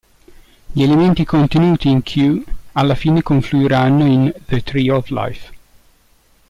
Gli elementi contenuti in "Q" alla fine confluiranno in "The Tree of Life".